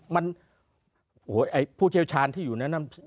มันโอ้โหผู้เชี่ยวชาญที่อยู่นั้น